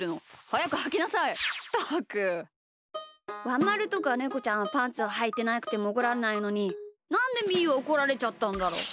ワンまるとかネコちゃんはパンツをはいてなくてもおこらんないのになんでみーはおこられちゃったんだろう。